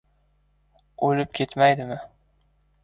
"O‘lib ketmaydimi.